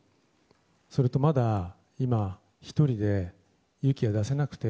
それとまだ、今１人で勇気が出せなくて